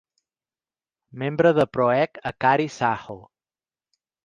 Membre de Pro Egg Akari Saho.